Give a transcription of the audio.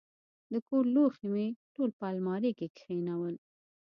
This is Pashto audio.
د کور لوښي مې ټول په المارۍ کې کښېنول.